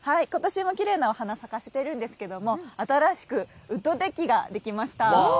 ことしもきれいなお花を咲かせているんですが新しくウッドデッキができました。